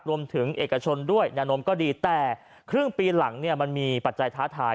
รวมถึงเอกชนด้วยแนวนมก็ดีแต่ครึ่งปีหลังเนี่ยมันมีปัจจัยท้าทาย